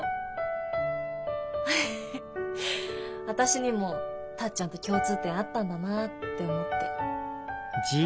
私にもタッちゃんと共通点あったんだなって思って。